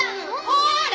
ほら！